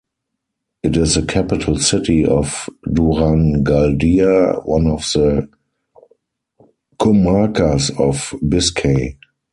It is the capital city of Durangaldea, one of the "comarcas" of Biscay.